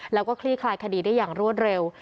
และคลีกคลายคดีได้ยังรวดเร็ว